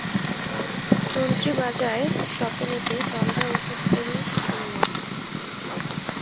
তন্ত্রী বাজাই স্বপনেতে তন্দ্রা ঈষৎ করি ক্ষুণ্ণ।